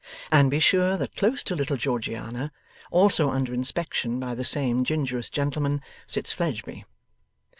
And be sure that close to little Georgiana, also under inspection by the same gingerous gentleman, sits Fledgeby.